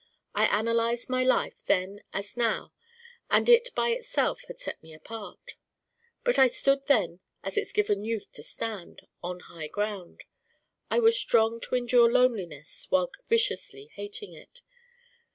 I analyzed my life then as now and it by itself had set me apart. But I stood then as it's given Youth to stand on High Ground. I was strong to endure loneliness while viciously hating it.